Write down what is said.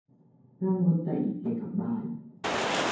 นั่งรถจากอิเกียกลับบ้าน